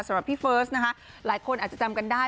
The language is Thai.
สำหรับพี่เฟิร์สนะคะหลายคนอาจจะจำกันได้